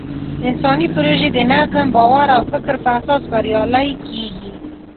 انساني پروژې د نظم، باور او فکر په اساس بریالۍ کېږي.